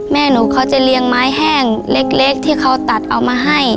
แม่หนูเขาจะเลี้ยงไม้แห้งเล็กที่เขาตัดเอามาให้